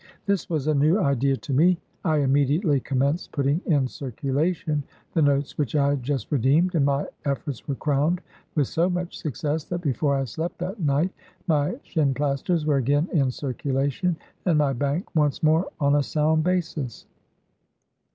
This was a new idea to me. I immediately commenced putting in circula tion the notes which I had just redeemed, and my efforts were crowned with so much success, that before I slept that night, my ' shin plasters " were again in circulation, and my bank once more on a sound basis.'